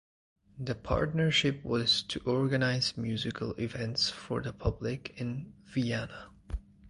The partnership was to organise musical events for the public in Vienna.